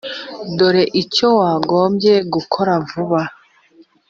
dore icyo wagombye gukora vuba